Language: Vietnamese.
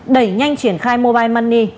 đẩy nhanh triển khai mobile money